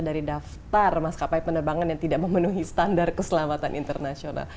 dari daftar maskapai penerbangan yang tidak memenuhi standar keselamatan internasional